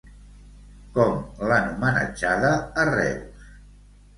Com l'han homenatjada a Reus?